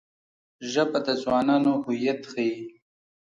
ژبه د ځوانانو هویت ښيي